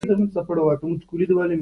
• د هغه محض اصالت مهم و.